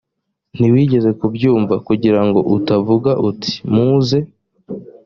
ntiwigeze kubyumva kugira ngo utavuga uti muze